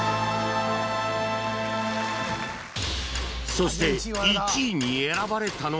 そして１位に選ばれたのは